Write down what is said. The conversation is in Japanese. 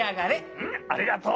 うんありがとう。